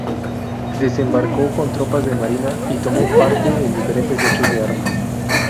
Desembarcó con tropas de marina y tomó parte en diferentes hechos de armas.